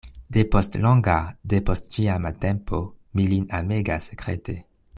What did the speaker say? Depost longa, depost ĉiama tempo, mi lin amegas sekrete.